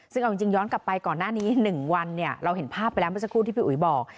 ซึ่งเอาจริงย้อนกลับไปก่อนหน้านี้๑วันเราเห็นภาพไปแล้วเมื่อสักครู่ที่พี่อุ๋ยบอก